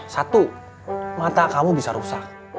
satu mata kamu bisa rusak